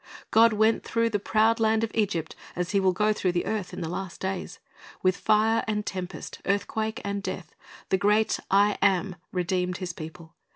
God went through the proud land of Egypt as He will go through the earth in the last days. With fire and tempest, earthquake and death, the great I AM redeemed His people.